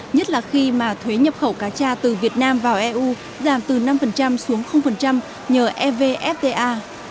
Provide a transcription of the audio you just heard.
nhất là khi mà thuế nhập khẩu cá cha từ việt nam vào eu giảm từ năm xuống nhờ evfta